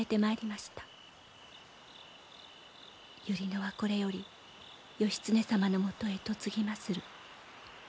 百合野はこれより義経様のもとへ嫁ぎまする。